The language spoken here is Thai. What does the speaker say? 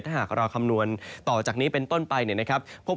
ถ้าหากเราคำนวณต่อจากนี้เป็นต้นไปเนี่ยนะครับ